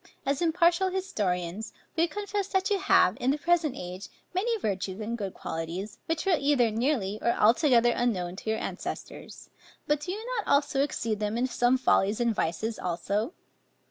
As impartial historians, we confess that you have, in the present age, many virtues and good qualities, which were either nearly or altogether unknown to your ancestors; but do you not exceed them in some follies and vices also?